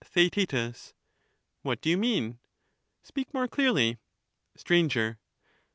Theaet. What dp you mean ? Speak more clearly. Str.